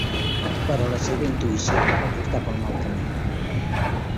Però la seva intuïció la va portar pel mal camí.